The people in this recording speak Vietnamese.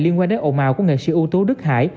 liên quan đến ồn màu của nghệ sĩ ưu tú đức hải